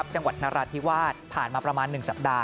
จังหวัดนราธิวาสผ่านมาประมาณ๑สัปดาห